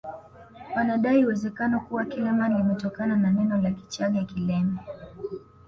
Wanadai uwezekano kuwa Kileman limetokana na neno la Kichaga kileme